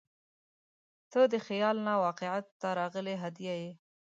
• ته د خیال نه واقعیت ته راغلې هدیه یې.